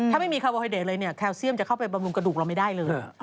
ถ้าไม่มีคาร์โบไฮเดตเลยเนี่ยแคลเซียมจะเข้าไปบำรุงกระดูกเราไม่ได้เลย